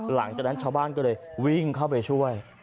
หลังจากนั้นชาวบ้านก็เลยวิ่งเข้าไปช่วย